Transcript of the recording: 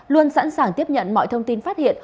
luôn sẵn sàng tiếp nhận mọi thông tin phát hiện